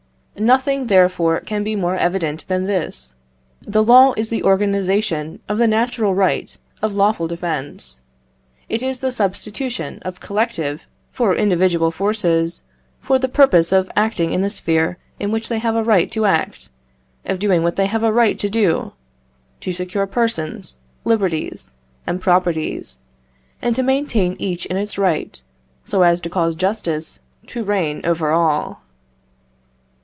Nothing, therefore, can be more evident than this: The law is the organization of the natural right of lawful defence; it is the substitution of collective for individual forces, for the purpose of acting in the sphere in which they have a right to act, of doing what they have a right to do, to secure persons, liberties, and properties, and to maintain each in its right, so as to cause justice to reign over all.